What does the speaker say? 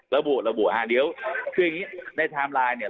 ระบุระบุฮะเดี๋ยวคืออย่างนี้ในไทม์ไลน์เนี่ย